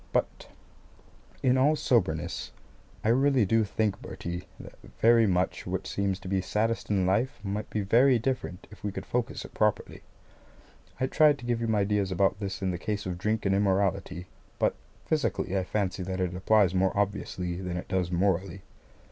But in all soberness, I really do think, Bertie, that very much which seems to be saddest in life might be very different if we could focus it properly. I tried to give you my views about this in the case of drink and immorality. But physically, I fancy that it applies more obviously than it does morally.